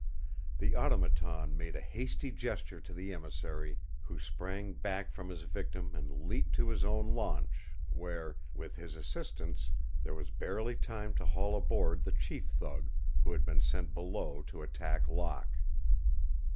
The Automaton made a hasty gesture to the emissary, who sprang back from his victim and leaped to his own launch, where, with his assistance, there was barely time to haul aboard the chief thug, who had been sent below to attack Locke.